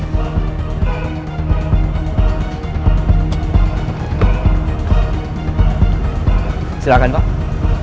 masalah yang lain lagi